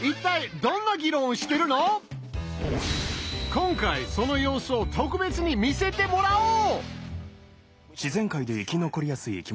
今回その様子を特別に見せてもらおう！